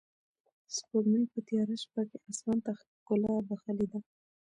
سپوږمۍ په تیاره شپه کې اسمان ته ښکلا بښلې ده.